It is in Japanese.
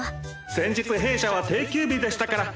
先日弊社は定休日でしたから。